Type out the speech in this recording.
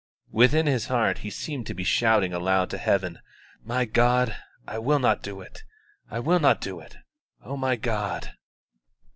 Within his heart he seemed to be shouting aloud to Heaven: "My God, I will not do it, I will not do it. Oh, my God!"